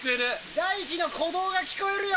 大貴の鼓動が聞こえるよ。